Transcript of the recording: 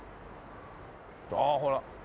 ああほら。